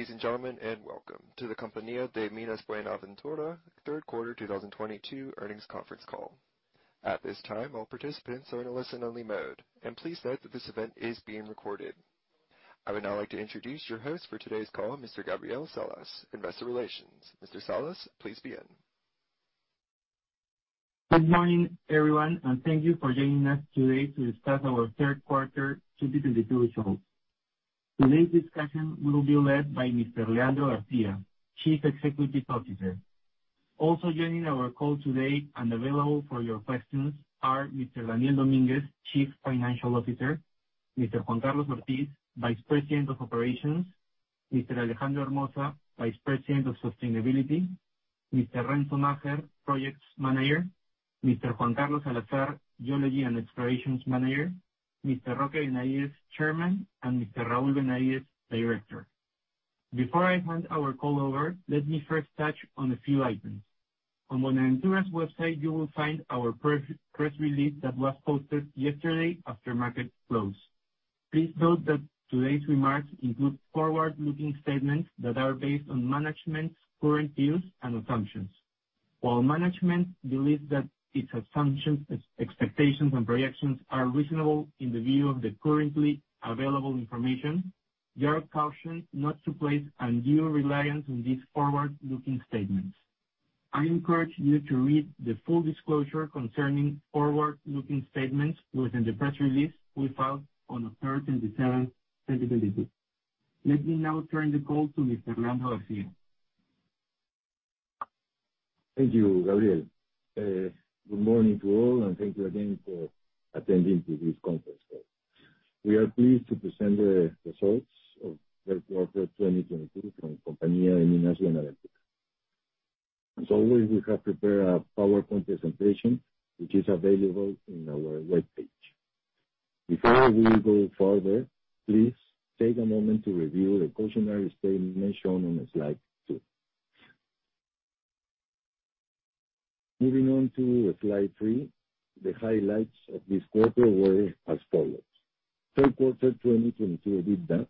Good day, ladies and gentlemen, and welcome to the Compañía de Minas Buenaventura third quarter 2022 earnings conference call. At this time, all participants are in a listen-only mode. Please note that this event is being recorded. I would now like to introduce your host for today's call, Mr. Gabriel Salas, Investor Relations. Mr. Salas, please begin. Good morning, everyone, and thank you for joining us today to discuss our third quarter 2022 results. Today's discussion will be led by Mr. Leandro García, Chief Executive Officer. Also joining our call today and available for your questions are Mr. Daniel Dominguez, Chief Financial Officer, Mr. Juan Carlos Ortiz, Vice President of Operations, Mr. Alejandro Hermoza, Vice President of Sustainability, Mr. Renzo Macher, Projects Manager, Mr. Juan Carlos Salazar, Geology and Explorations Manager, Mr. Roque Benavides, Chairman, and Mr. Raul Benavides, Director. Before I hand our call over, let me first touch on a few items. On Buenaventura's website, you will find our press release that was posted yesterday after market close. Please note that today's remarks include forward-looking statements that are based on management's current views and assumptions. While management believes that its assumptions, expectations, and projections are reasonable in the view of the currently available information, you are cautioned not to place undue reliance on these forward-looking statements. I encourage you to read the full disclosure concerning forward-looking statements within the press release we filed on October 27, 2022. Let me now turn the call to Mr. Leandro García. Thank you, Gabriel. Good morning to all, and thank you again for attending to this conference call. We are pleased to present the results of third quarter 2022 from Compañía de Minas Buenaventura. As always, we have prepared a PowerPoint presentation which is available in our webpage. Before we go further, please take a moment to review the cautionary statement shown on slide two. Moving on to slide three, the highlights of this quarter were as follows. Third quarter 2022 EBITDA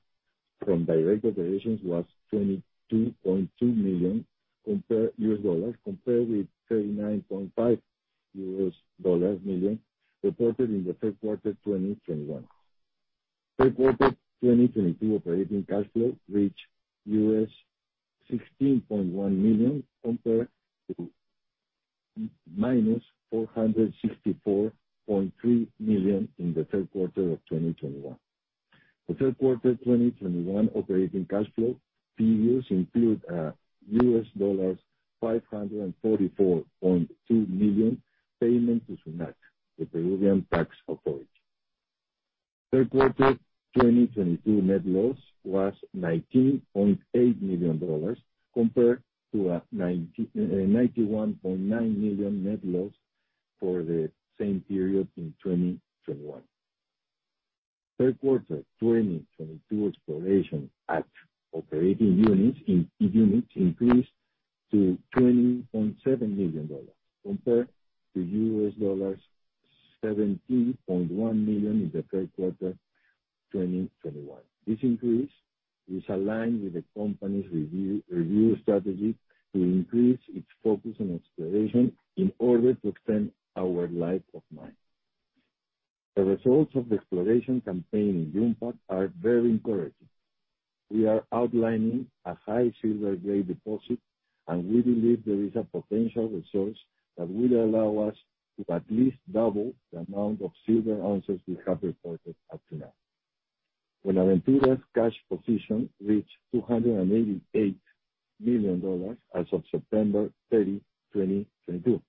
from direct operations was $22.2 million compared with $39.5 million reported in the third quarter 2021. Third quarter 2022 operating cash flow reached $16.1 million compared to -$464.3 million in the third quarter of 2021. Third quarter 2021 operating cash flow was $544.2 million including payment to SUNAT, the Peruvian tax authority. Third quarter 2022 net loss was $19.8 million compared to a $91.9 million net loss for the same period in 2021. Third quarter 2022 exploration at operating units in each unit increased to $20.7 million compared to $17.1 million in the third quarter 2021. This increase is aligned with the company's review strategy to increase its focus on exploration in order to extend our life of mine. The results of the exploration campaign in Yumpag are very encouraging. We are outlining a high silver grade deposit, and we believe there is a potential resource that will allow us to at least double the amount of silver ounces we have reported up to now. Buenaventura's cash position reached $288 million as of September 30, 2022.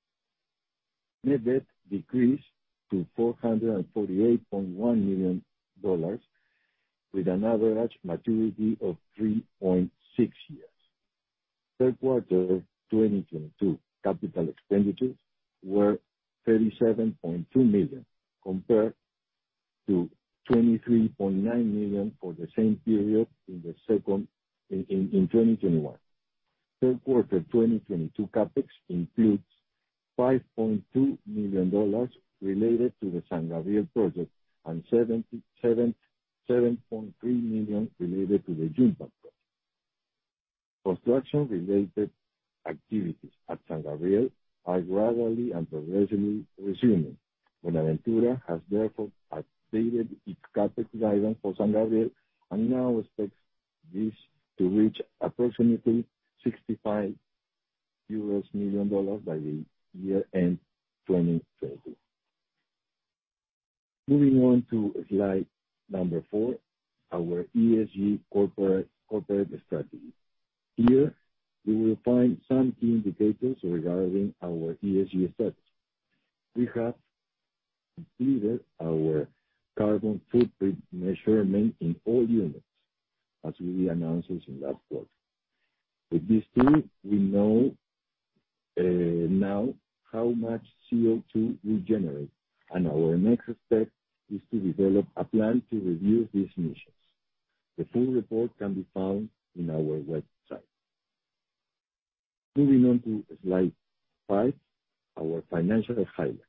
Net debt decreased to $448.1 million with an average maturity of 3.6 years. Third quarter 2022 capital expenditures were $37.2 million compared to $23.9 million for the same period in 2021. Third quarter 2022 CapEx includes $5.2 million related to the San Gabriel project and $7.3 million related to the Yumpag project. Construction related activities at San Gabriel are gradually and progressively resuming. Buenaventura has therefore updated its CapEx guidance for San Gabriel and now expects this to reach approximately $65 million by the year-end 2022. Moving on to slide number four, our ESG corporate strategy. Here we will find some key indicators regarding our ESG efforts. We have completed our carbon footprint measurement in all units, as we announced this in last quarter. With this tool, we know, now how much CO2 we generate, and our next step is to develop a plan to reduce these emissions. The full report can be found in our website. Moving on to slide five, our financial highlights.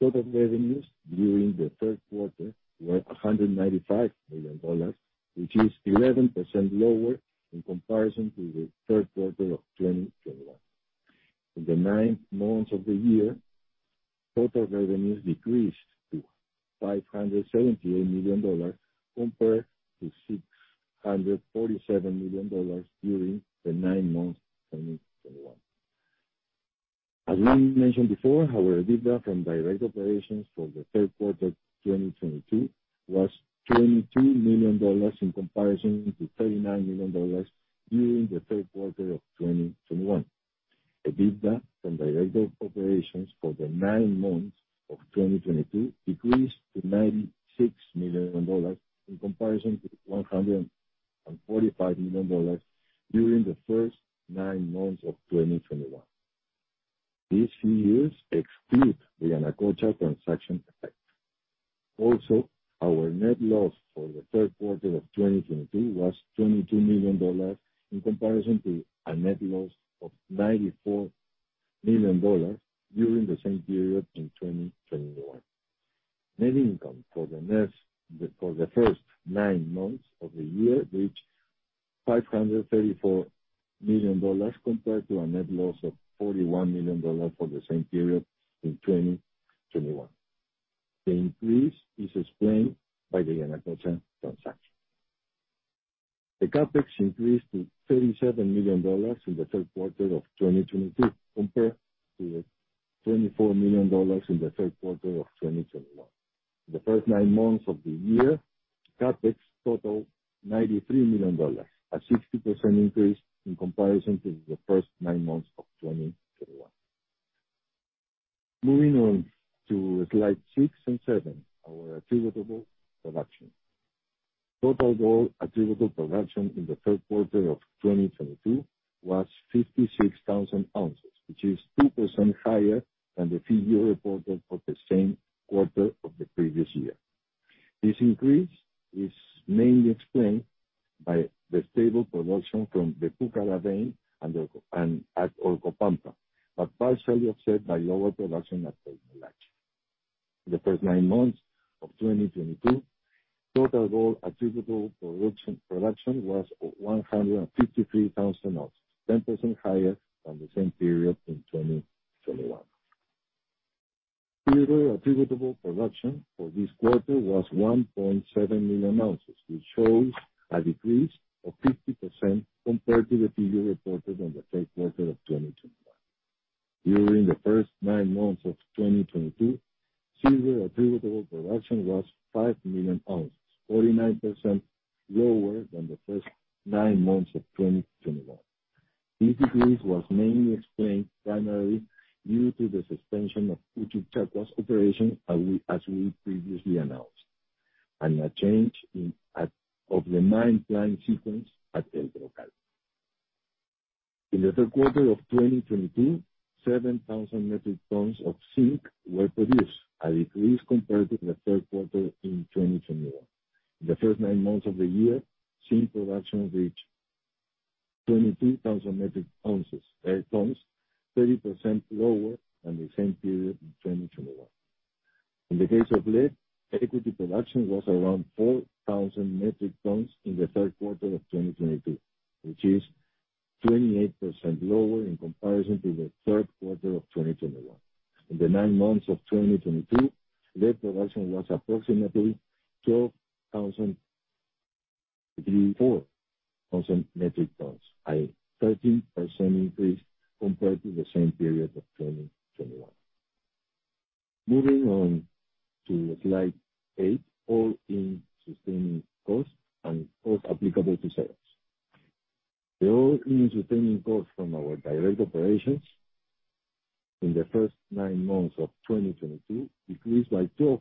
Total revenues during the third quarter were $195 million, which is 11% lower in comparison to the third quarter of 2021. In the nine months of the year, total revenues decreased to $578 million compared to $647 million during the nine months 2021. As mentioned before, our EBITDA from direct operations for the third quarter 2022 was $22 million in comparison to $39 million during the third quarter of 2021. EBITDA from direct operations for the nine months of 2022 decreased to $96 million in comparison to $145 million during the first nine months of 2021. These years exclude the Yanacocha transaction effect. Also, our net loss for the third quarter of 2022 was $22 million, in comparison to a net loss of $94 million during the same period in 2021. Net income for the first nine months of the year reached $534 million, compared to a net loss of $41 million for the same period in 2021. The increase is explained by the Yanacocha transaction. The CapEx increased to $37 million in the third quarter of 2022, compared to $24 million in the third quarter of 2021. In the first nine months of the year, CapEx totaled $93 million, a 60% increase in comparison to the first nine months of 2021. Moving on to slide six and seven, our attributable production. Total gold attributable production in the third quarter of 2022 was 56,000 ounces, which is 2% higher than the figure reported for the same quarter of the previous year. This increase is mainly explained by the stable production from the Pucara vein and at Orcopampa, but partially offset by lower production at El Coimolache. In the first nine months of 2022, total gold attributable production was 153,000 ounces, 10% higher than the same period in 2021. Silver attributable production for this quarter was 1.7 million ounces, which shows a decrease of 50% compared to the figure reported in the third quarter of 2021. During the first nine months of 2022, silver attributable production was 5 million ounces, 49% lower than the first nine months of 2021. This decrease was mainly explained primarily due to the suspension of Uchucchacua's operation, as we previously announced, and a change in the mine plan sequence at El Brocal. In the third quarter of 2022, 7,000 metric tons of zinc were produced, a decrease compared to the third quarter in 2021. In the first nine months of the year, zinc production reached 22,000 metric tons, 30% lower than the same period in 2021. In the case of lead, equity production was around 4,000 metric tons in the third quarter of 2022, which is 28% lower in comparison to the third quarter of 2021. In the nine months of 2022, lead production was approximately 12,034 metric tons, a 13% increase compared to the same period of 2021. Moving on to slide eight, all-in sustaining cost and cost applicable to sales. The all-in sustaining cost from our direct operations in the first nine months of 2022 decreased by 12%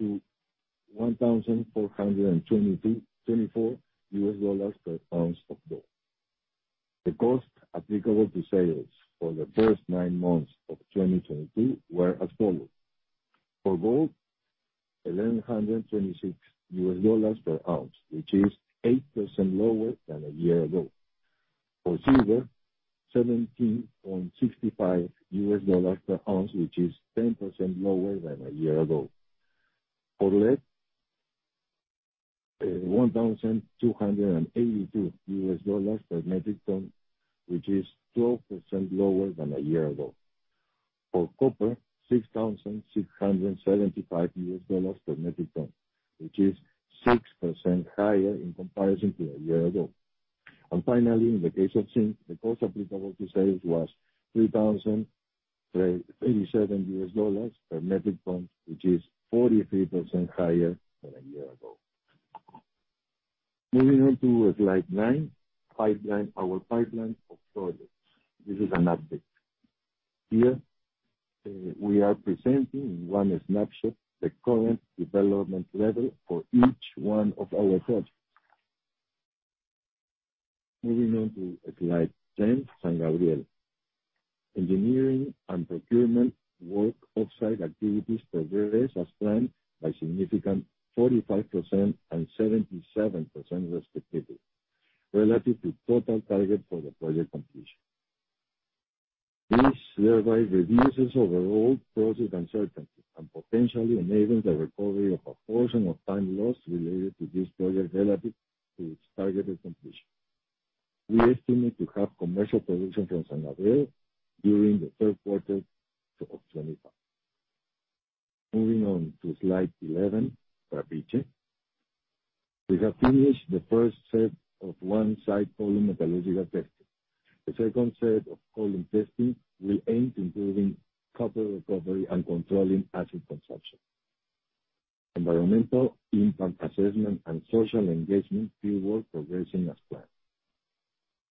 to $1,422.24 per ounce of gold. The cost applicable to sales for the first nine months of 2022 were as follows. For gold, $1,126 per ounce, which is 8% lower than a year ago. For silver, $17.65 per ounce, which is 10% lower than a year ago. For lead, $1,282 per metric ton, which is 12% lower than a year ago. For copper, $6,675 per metric ton, which is 6% higher in comparison to a year ago. Finally, in the case of zinc, the costs applicable to sales was $3,037 per metric ton, which is 43% higher than a year ago. Moving on to slide nine, pipeline, our pipeline of projects. This is an update. Here, we are presenting in one snapshot the current development level for each one of our projects. Moving on to slide 10, San Gabriel. Engineering and procurement work offsite activities progress as planned by 45% and 77% respectively, relative to total target for the project completion. This thereby reduces overall project uncertainty and potentially enabling the recovery of a portion of time lost related to this project relative to its targeted completion. We estimate to have commercial production from San Gabriel during the third quarter of 2025. Moving on to slide 11, Quellaveco. We have finished the first set of on-site column metallurgical testing. The second set of column testing will aim to improving copper recovery and controlling acid consumption. Environmental impact assessment and social engagement field work progressing as planned.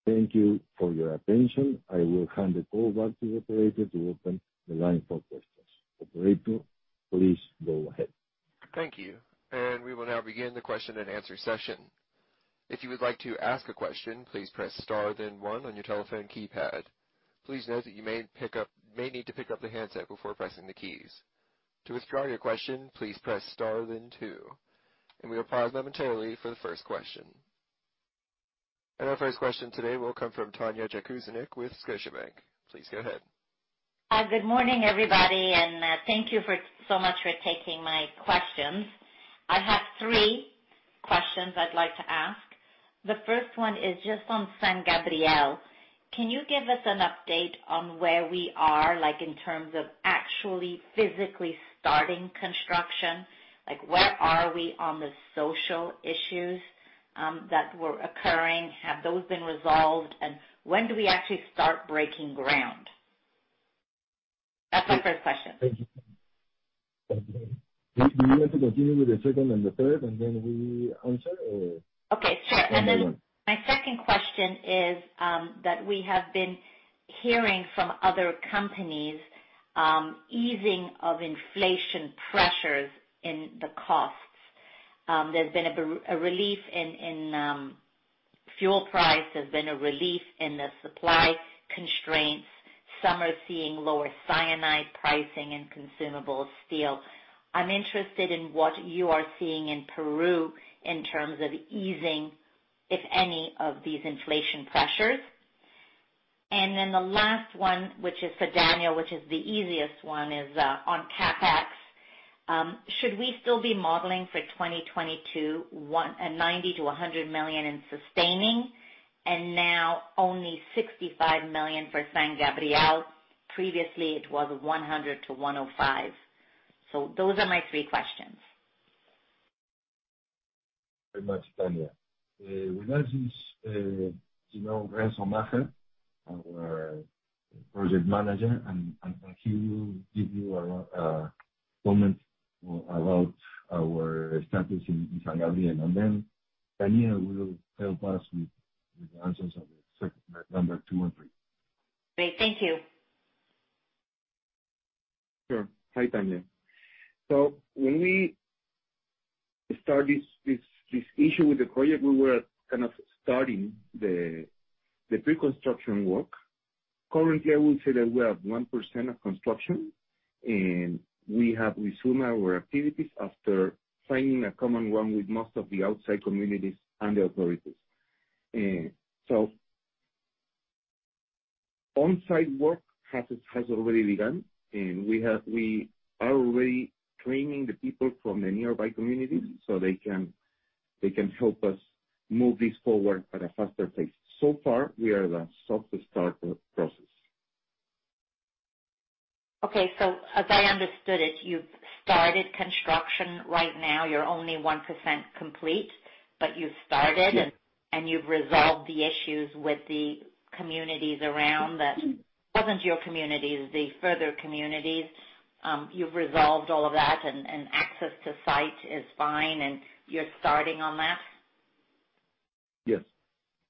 Thank you for your attention. I will hand the call back to the operator to open the line for questions. Operator, please go ahead. Thank you. We will now begin the question and answer session. If you would like to ask a question, please press star then one on your telephone keypad. Please note that you may pick up, may need to pick up the handset before pressing the keys. To withdraw your question, please press star then two. We will pause momentarily for the first question. Our first question today will come from Tanya Jakusconek with Scotiabank. Please go ahead. Good morning, everybody, and thank you so much for taking my questions. I have three questions I'd like to ask. The first one is just on San Gabriel. Can you give us an update on where we are, like, in terms of actually physically starting construction? Like, where are we on the social issues that were occurring? Have those been resolved? When do we actually start breaking ground? That's my first question. Thank you. Do you want to continue with the second and the third, and then we answer, or? Okay, sure. However you want. My second question is that we have been hearing from other companies easing of inflation pressures in the costs. There's been a relief in fuel price. There's been a relief in the supply constraints. Some are seeing lower cyanide pricing and consumable steel. I'm interested in what you are seeing in Peru in terms of easing, if any, of these inflation pressures. The last one, which is for Daniel, which is the easiest one, is on CapEx. Should we still be modeling for 2022 $90-$100 million in sustaining and now only $65 million for San Gabriel? Previously, it was $100-$105. Those are my three questions. Very much, Tanya. With us is Renzo Macher, our project manager, and he will give you a comment about our status in San Gabriel. Then Daniel Dominguez will help us with the answers of the SEC, number two and three. Great. Thank you. Sure. Hi, Tanya. When we start this issue with the project, we were kind of starting the pre-construction work. Currently, I would say that we have 1% of construction, and we have resumed our activities after signing a common ground with most of the outside communities and the authorities. On-site work has already begun, and we are already training the people from the nearby communities so they can help us move this forward at a faster pace. So far, we are at a soft start of process. Okay. As I understood it, you've started construction. Right now, you're only 1% complete, but you've started. Yes. You've resolved the issues with the communities around that wasn't your communities, the further communities. You've resolved all of that and access to site is fine, and you're starting on that? Yes.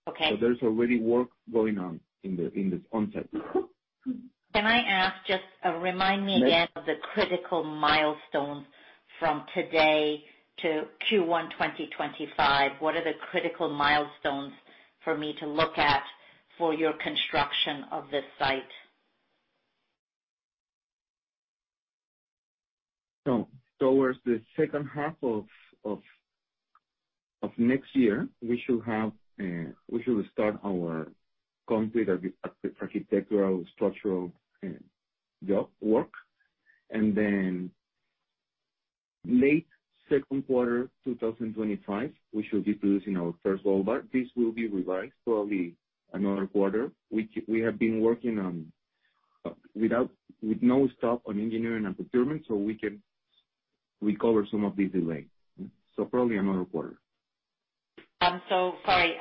Okay. There's already work going on in the onset. Can I ask, just remind me again? Yes. Of the critical milestones from today to Q1, 2025. What are the critical milestones for me to look at for your construction of this site? Towards the second half of next year, we should start our complete architectural structural job work. Then late second quarter 2025, we should be producing our first gold bar. This will be revised, probably another quarter. We have been working on with no stop on engineering and procurement, so we can recover some of this delay. Probably another quarter. Sorry.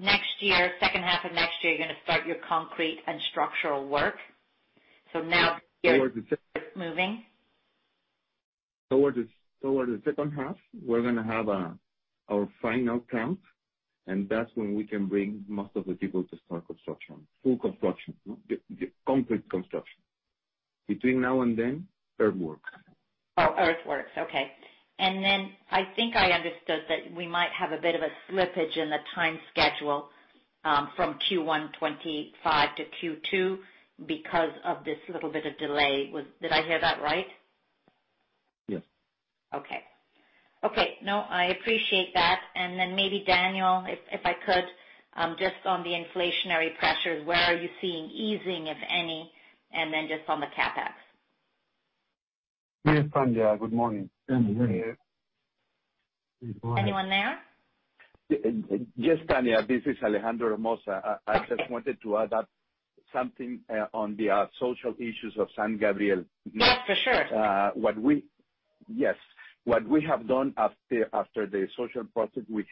Next year, second half of next year, you're gonna start your concrete and structural work. Now you're Toward the second- -moving. Toward the second half, we're gonna have our final camp, and that's when we can bring most of the people to start construction, full construction. The concrete construction. Between now and then, earthwork. Oh, earthworks. Okay. I think I understood that we might have a bit of a slippage in the time schedule, from Q1 2025-Q2 2025 because of this little bit of delay. Did I hear that right? Yes. Okay. No, I appreciate that. Maybe Daniel, if I could, just on the inflationary pressures, where are you seeing easing, if any? Just on the CapEx. Yes, Tanya, good morning. Anyone there? Yes, Tanya. This is Alejandro Hermoza. I just wanted to add something on the social issues of San Gabriel. Yes, for sure. What we have done after the social process we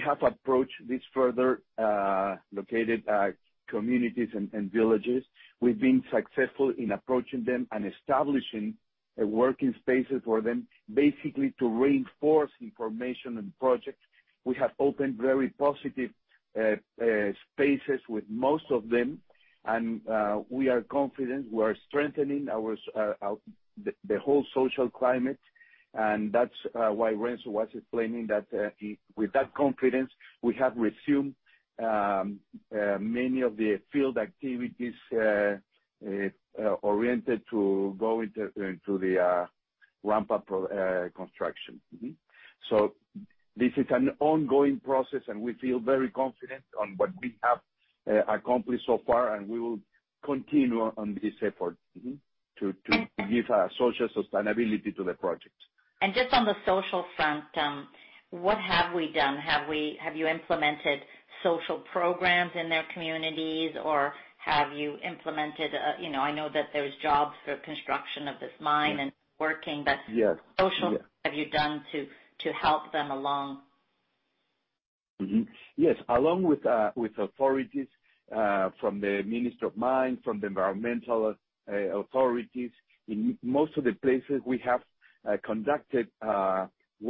have approached these further located communities and villages. We've been successful in approaching them and establishing working spaces for them, basically to reinforce information and projects. We have opened very positive spaces with most of them and we are confident we are strengthening the whole social climate. That's why Renzo was explaining that with that confidence, we have resumed many of the field activities oriented to go into the ramp-up construction. This is an ongoing process and we feel very confident on what we have accomplished so far and we will continue on this effort to give a social sustainability to the project. Just on the social front, what have we done? Have you implemented social programs in their communities or have you implemented, you know, I know that there's jobs for construction of this mine. Yes. -and working, but- Yes. Yeah. social, what have you done to help them along? Yes. Along with authorities from the Ministry of Energy and Mines, from the environmental authorities, in most of the places we have conducted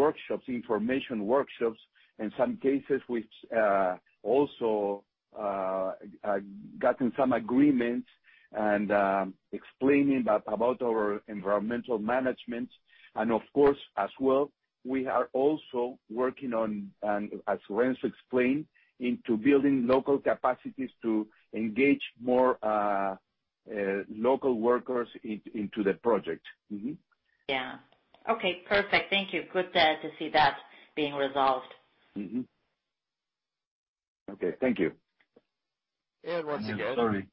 workshops, information workshops, in some cases which also gotten some agreements and explaining about our environmental management. Of course, as well, we are also working on, and as Renzo explained, into building local capacities to engage more local workers into the project. Yeah. Okay. Perfect. Thank you. Good to see that being resolved. Okay. Thank you. Once again. Sorry.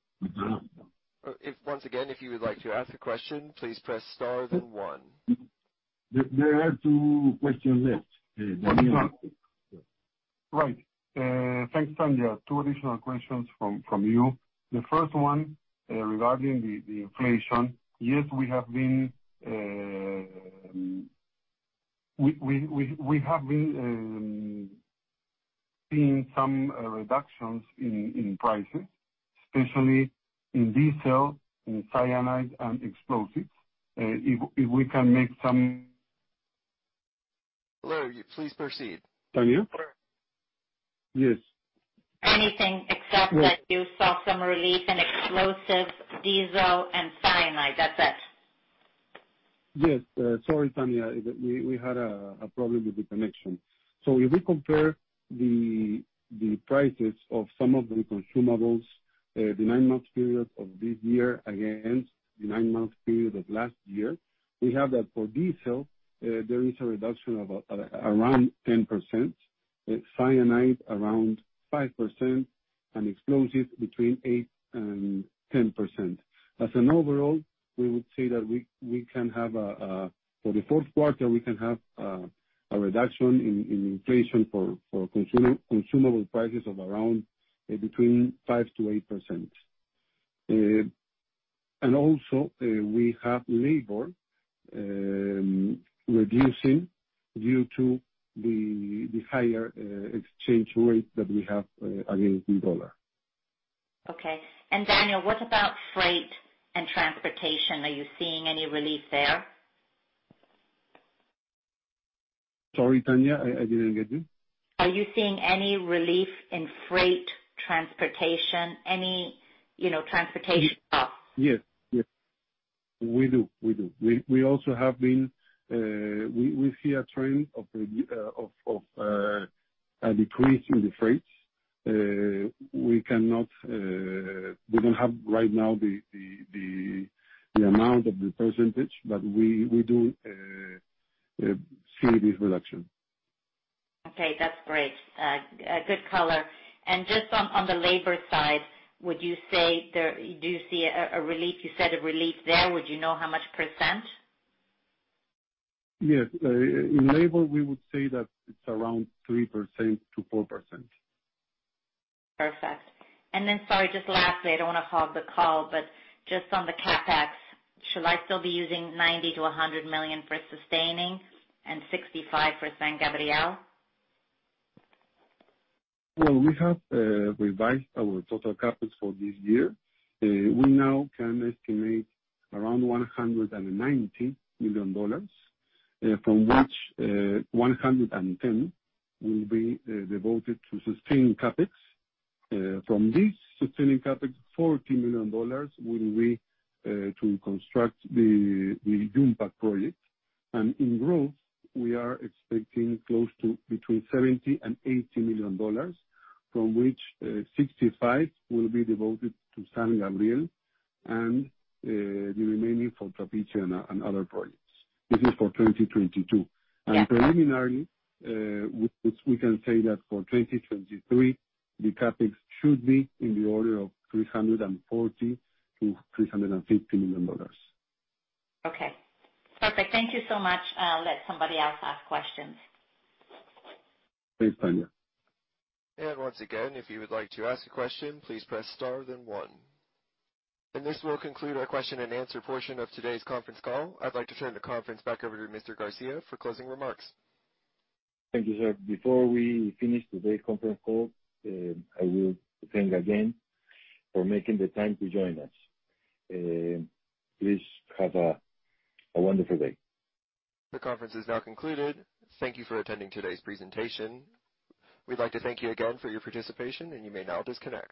If once again, if you would like to ask a question, please press star then one. There are two questions left. Right. Thanks, Tanya. Two additional questions from you. The first one regarding the inflation. Yes, we have been seeing some reductions in prices, especially in diesel and cyanide and explosives. If we can make some- Hello. Please proceed. Tanya? Yes. Anything except that you saw some relief in explosives, diesel and cyanide. That's it. Yes. Sorry, Tanya. We had a problem with the connection. If we compare the prices of some of the consumables, the nine-month period of this year against the nine-month period of last year, we have that for diesel, there is a reduction of around 10%, cyanide around 5% and explosives between 8% and 10%. Overall, we would say that we can have for the fourth quarter a reduction in inflation for consumable prices of around between 5%-8%. Also, we have labor reducing due to the higher exchange rate that we have against the dollar. Okay. Daniel, what about freight and transportation? Are you seeing any relief there? Sorry, Tanya. I didn't get you. Are you seeing any relief in freight, transportation, any, you know, transportation costs? Yes. We do. We also have been seeing a trend of a decrease in the freights. We don't have right now the amount of the percentage, but we do see this reduction. Okay. That's great. Good color. Just on the labor side, would you say do you see a relief? You said a relief there. Would you know how much %? Yes. In labor, we would say that it's around 3%-4%. Perfect. Sorry, just lastly, I don't wanna hog the call, but just on the CapEx, should I still be using $90 million-$100 million for sustaining and $65 million for San Gabriel? Well, we have revised our total CapEx for this year. We now can estimate around $190 million, from which $110 million will be devoted to sustaining CapEx. From this sustaining CapEx, $40 million will be to construct the Yumpag project. In growth, we are expecting close to between $70-$80 million, from which $65 million will be devoted to San Gabriel and the remaining for Trapiche and other projects. This is for 2022. Yeah. Preliminarily, we can say that for 2023, the CapEx should be in the order of $340-$350 million. Okay. Perfect. Thank you so much. I'll let somebody else ask questions. Thanks, Tanya. Once again, if you would like to ask a question, please press star then one. This will conclude our question and answer portion of today's conference call. I'd like to turn the conference back over to Mr. García for closing remarks. Thank you, sir. Before we finish today's conference call, I will thank again for making the time to join us. Please have a wonderful day. The conference is now concluded. Thank you for attending today's presentation. We'd like to thank you again for your participation, and you may now disconnect.